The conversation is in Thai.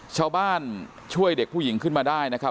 ช่วยเด็กผู้หญิงขึ้นมาได้นะครับ